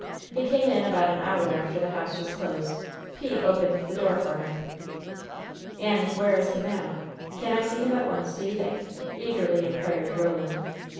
He came in about an hour after the house was closed. Pete opened the door for him." "And where is he now? Can I see him at once, do you think?" eagerly inquired Roland.